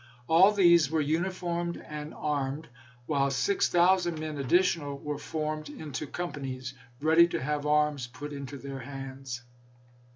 All these were uniformed and armed; while 6000 men additional were formed into com panies, ready to have arms put into their hands.